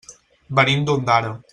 Venim d'Ondara.